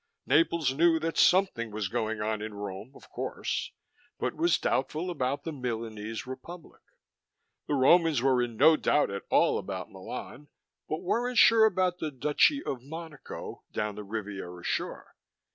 Naples knew that something was going on in Rome, of course, but was doubtful about the Milanese Republic. The Romans were in no doubt at all about Milan, but weren't sure about the Duchy of Monaco, down the Riviera shore.